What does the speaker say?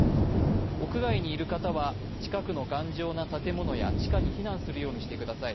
屋外にいる方は近くの頑丈な建物や地下に避難するようにしてください。